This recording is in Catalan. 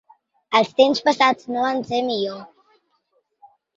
Els temps passats no van ser millors